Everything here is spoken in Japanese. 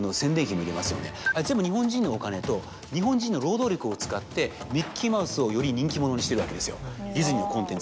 あれ全部日本人のお金と日本人の労働力を使ってミッキーマウスをより人気者にしてるわけですよディズニーのコンテンツ。